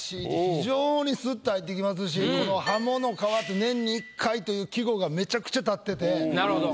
非常にスッと入ってきますしこの「鱧の皮」って年に一回という季語がめちゃくちゃ立ってて。